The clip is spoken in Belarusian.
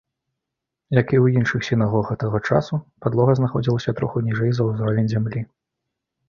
Як і ў іншых сінагогах таго часу, падлога знаходзілася троху ніжэй за ўзровень зямлі.